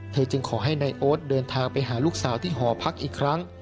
จึงขอให้นายโอ๊ตเดินทางไปหาลูกสาวที่หอพักอีกครั้ง